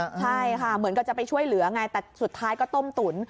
ใช่ค่ะเหมือนกับจะไปช่วยเหลือไงแต่สุดท้ายก็ต้มตุ๋น